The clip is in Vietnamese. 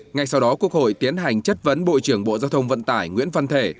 ngay sau đó quốc hội tiến hành chất vấn bộ trưởng bộ giao thông vận tải nguyễn văn thể